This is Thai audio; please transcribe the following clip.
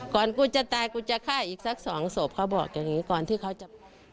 กูจะตายกูจะฆ่าอีกสักสองศพเขาบอกอย่างนี้ก่อนที่เขาจะ